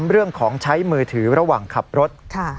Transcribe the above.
เรื่องของใช้มือถือระหว่างขับรถ